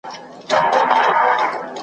لوی وجود ته یې زمری پاچا حیران سو .